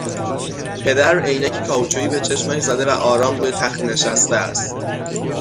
پدر عینکی کائوچویی به چشمش زده و آرام روی تخت نشسته است